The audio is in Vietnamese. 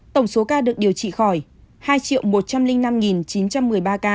tổng số ca được điều trị khỏi hai một trăm linh năm chín trăm một mươi ba ca